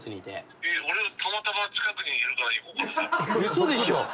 嘘でしょ。